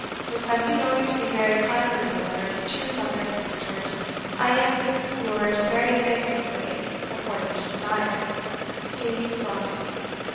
Requesting always to be very kindly remembered to your mother and sisters, I am, yours very thanklessly (according to desire), "C. BRONTË."